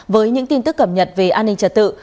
với những tin tức cập nhật về an ninh trật tự